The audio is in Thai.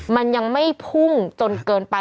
มันยังไม่พุ่งจนเกินไป